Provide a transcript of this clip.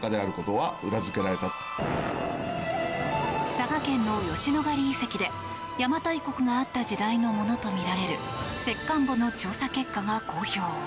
佐賀県の吉野ヶ里遺跡で邪馬台国があった時代のものとみられる石棺墓の調査結果が公表。